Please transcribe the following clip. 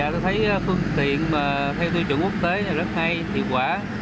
tôi thấy phương tiện theo tư trưởng quốc tế rất hay hiệu quả